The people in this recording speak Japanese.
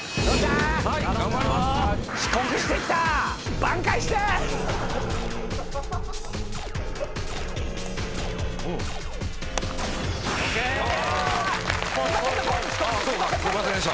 すいませんでした。